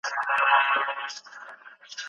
خپله څېړنه پر علمي اصولو برابره کړئ.